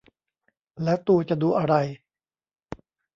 แล้วตูจะดูอะไร